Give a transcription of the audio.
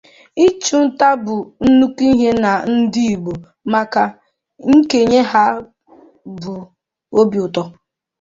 Ịchụ nta bụ nnukwu ihe na ndụ ndị Igbo ma nenyekwa ha obi ụtọ.